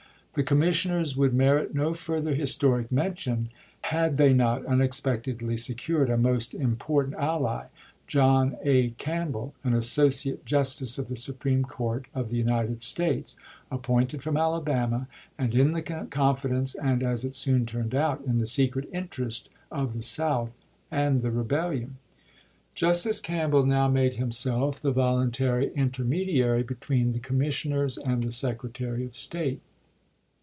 The com missioners would merit no further historic mention had they not unexpectedly secured a most impor tant ally — John A. Campbell, an Associate Justice of the Supreme Court of the United States, ap pointed from Alabama, and in the confidence and, as it soon turned out, in the secret interest of the South and the rebellion. Justice Campbell now made himself the volun THE KEBEL GAME 405 tary intermediary between the commissioners and ch. xxiv. the Secretary of State.